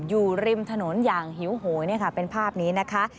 อยู่ริมถนนอย่างหิวโหยเป็นภาพนี้นะคะ